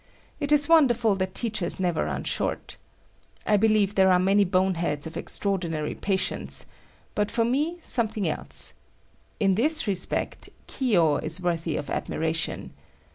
It is wonderful that teachers never run short. I believe there are many boneheads of extraordinary patience; but me for something else. In this respect, Kiyo is worthy of admiration.